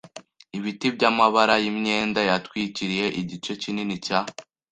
Ibiti byamabara yimyenda yatwikiriye igice kinini cya